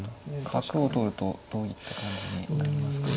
角を取るとどういった感じになりますか。